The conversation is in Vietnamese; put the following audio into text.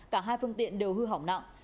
cả hai phương tiện đều hư hỏng nặng